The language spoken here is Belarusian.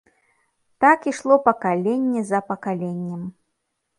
Так ішло пакаленне за пакаленнем.